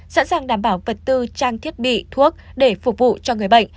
sẵn sàng đảm bảo vật tư trang thiết bị thuốc để phục vụ cho người bệnh